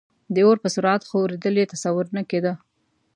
د اور په سرعت خورېدل یې تصور نه کېده.